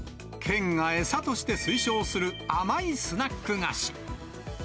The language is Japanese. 県が餌として推奨する甘いスナック菓子。